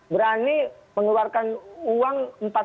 berani mengeluarkan uang